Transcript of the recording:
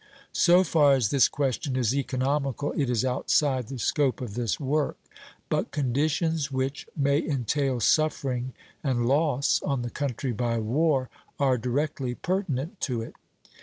So far as this question is economical, it is outside the scope of this work; but conditions which may entail suffering and loss on the country by war are directly pertinent to it.